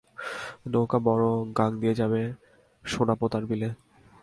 নৌকা বড় গাঙ দিয়ে যাবে সোনাপোতার বিলে।